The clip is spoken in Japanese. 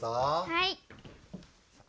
はい。